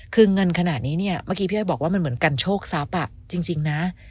คือเงินขนาดนี้เนี่ยเมื่อกี้พี่อ้อยบอกว่ามันเหมือนกันโชคทรัพย์จริงนะ